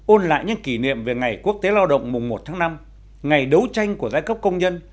ôn lại những kỷ niệm về ngày quốc tế lao động mùng một tháng năm ngày đấu tranh của giai cấp công nhân